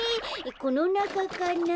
このなかかな？